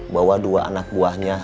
bawa dua anak buahnya